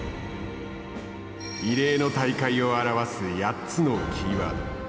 異例の大会を表す８つのキーワード。